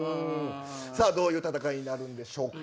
どういう戦いになるんでしょうか。